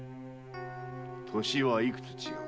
歳はいくつ違う？